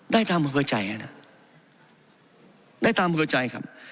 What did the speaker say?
ได้ตามประเภทใจนะได้ตามประเภทใจครับ